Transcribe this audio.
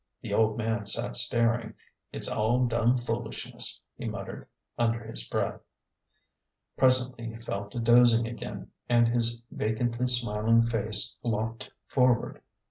The old man sat staring. " It's all dum foolishness," he muttered, under his breath. Presently he fell to dozing again, and his va cantly smiling face lopped forward.